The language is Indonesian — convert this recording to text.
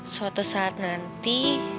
suatu saat nanti